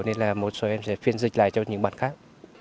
nên là một số em sẽ phiên dịch lại cho những bạn khác